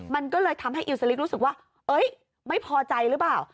มันก็เลยทำให้อิลสลิกรู้สึกว่าไม่พอใจหรือเปล่า